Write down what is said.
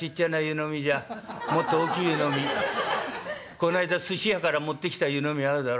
この間すし屋から持ってきた湯飲みあるだろ？